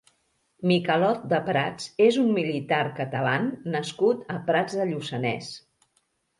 Miquelot de Prats és un militar catalán nascut a Prats de Lluçanès.